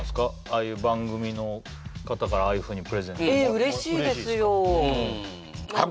ああいう番組の方からああいうふうにプレゼント嬉しいですか？